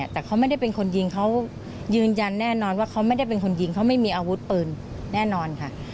แต่เขาไม่ได้เป็นคนยิงเขายืนยันแน่นอนว่าเขาไม่ได้เป็นคนยิงเขาไม่มีอาวุธปืนแน่นอนค่ะ